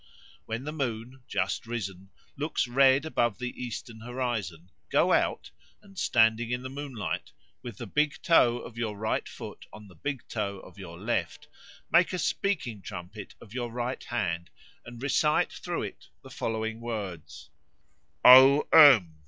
When the moon, just risen, looks red above the eastern horizon, go out, and standing in the moonlight, with the big toe of your right foot on the big toe of your left, make a speaking trumpet of your right hand and recite through it the following words: "OM.